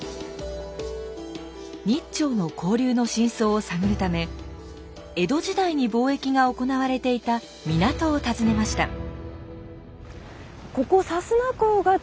日朝の交流の真相を探るため江戸時代に貿易が行われていた港を訪ねました。